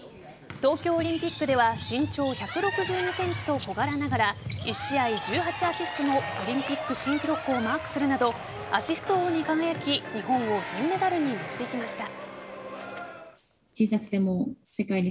東京オリンピックでは身長１６２ｃｍと小柄ながら１試合１８アシストのオリンピック新記録をマークするなどアシスト王に輝き日本を銀メダルに導きました。